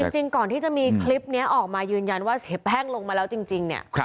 จริงก่อนที่จะมีคลิปนี้ออกมายืนยันว่าเสียแป้งลงมาแล้วจริงเนี่ย